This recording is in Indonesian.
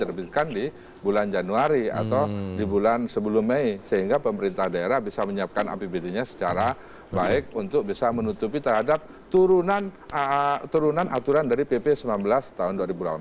terbitkan di bulan januari atau di bulan sebelum mei sehingga pemerintah daerah bisa menyiapkan apbd nya secara baik untuk bisa menutupi terhadap turunan aturan dari pp sembilan belas tahun dua ribu delapan belas